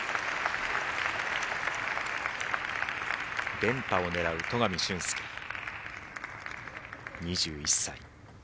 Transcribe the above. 連覇を狙う戸上隼輔、２１歳。